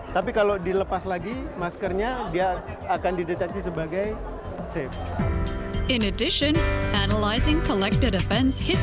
tapi kalau dilepas lagi maskernya dia akan dideteksi sebagai safe